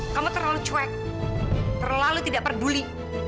kamu terlalu cuek terlalu tidak peduli